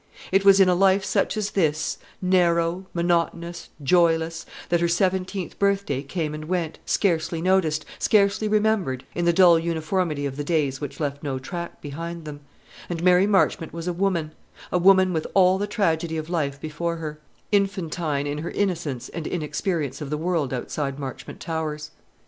It was in a life such as this, narrow, monotonous, joyless, that her seventeenth birthday came and went, scarcely noticed, scarcely remembered, in the dull uniformity of the days which left no track behind them; and Mary Marchmont was a woman, a woman with all the tragedy of life before her; infantine in her innocence and inexperience of the world outside Marchmont Towers.